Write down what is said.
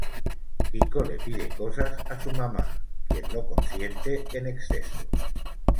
Quico le pide cosas a su mamá, quien lo consiente en exceso.